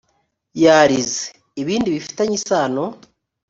yarize ibindi bifitanye isano